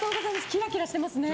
キラキラしていますね。